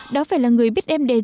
đó phải là người biết em đến